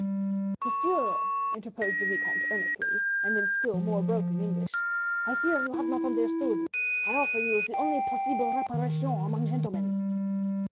"Monsieur," interposed the Vicomte earnestly, and in still more broken English, "I fear you have not understand. I offer you the only posseeble reparation among gentlemen."